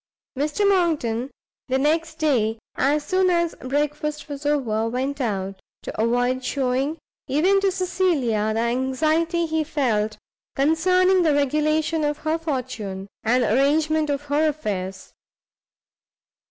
Mr Monckton, the next day, as soon as breakfast was over, went out, to avoid showing, even to Cecilia, the anxiety he felt concerning the regulation of her fortune, and arrangement of her affairs.